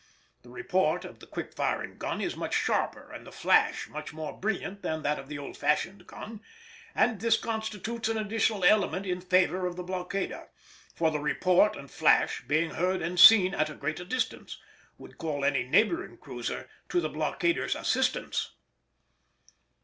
The report of the quick firing gun is much sharper and the flash much more brilliant than that of the old fashioned gun; and this constitutes an additional element in favour of the blockader, for the report and flash, being heard and seen at a greater distance, would call any neighbouring cruiser to the blockader's assistance.